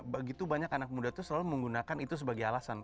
begitu banyak anak muda itu selalu menggunakan itu sebagai alasan